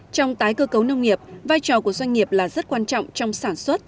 trong tái cơ cấu nông nghiệp vai trò của doanh nghiệp là rất quan trọng trong sản xuất